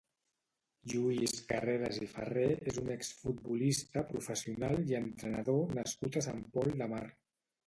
Lluís Carreras i Ferrer és un exfutbolista professional i entrenador nascut a Sant Pol de Mar.